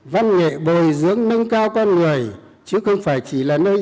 văn nghệ bồi dưỡng nâng cao con người chứ không phải chỉ là nơi